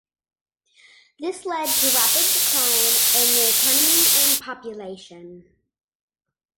This led to rapid decline in the economy and population.